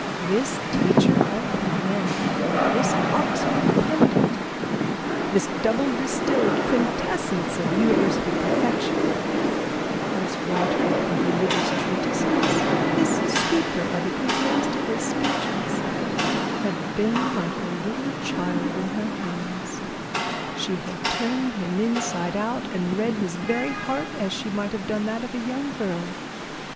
This teacher of men, this Oxford pundit, this double distilled quintessence of university perfection, this writer of religious treatises, this speaker of ecclesiastical speeches, had been like a little child in her hands; she had turned him inside out, and read his very heart as she might have done that of a young girl.